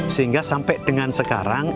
sehingga sampai dengan sekarang